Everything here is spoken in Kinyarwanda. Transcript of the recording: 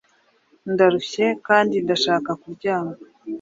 Ndarushye, kandi ndashaka kuryama.